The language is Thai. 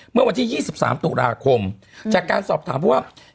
เมื่อวันที่๒๓ตุลาคมจากการสอบถามผู้ว่า